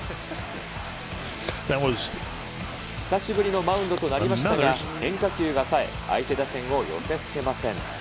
久しぶりのマウンドとなりましたが、変化球がさえ、相手打線を寄せつけません。